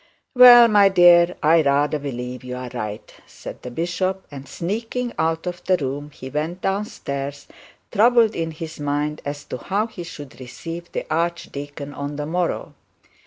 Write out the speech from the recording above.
'Well, my dear, I rather believe you are right;' said the bishop, and sneaking out of the room, he went down stairs, troubled in his mind as to how he should receive the archdeacon on the morrow.